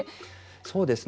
そうですね。